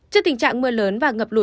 trước tình trạng mưa lớn và ngập lũ